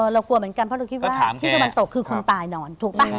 เรากลัวเหมือนกันเพราะเราคิดว่าที่ตะวันตกคือคนตายนอนถูกป่ะ